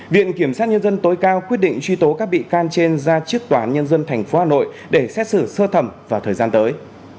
viện kiểm sát nhân dân tối cao quyết định truy tố các bị can trên ra trước tòa án nhân dân tp hà nội để xét xử sơ thẩm vào thời gian tới